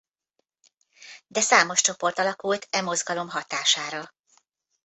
De számos csoport alakult e mozgalom hatására.